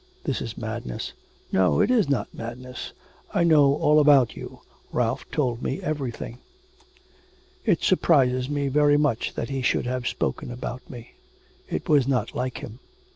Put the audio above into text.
'This is madness.' 'No, it is not madness. I know all about you, Ralph told me everything.' 'It surprises me very much that he should have spoken about me. It was not like him.